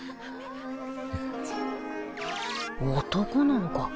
男なのか